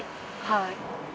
はい。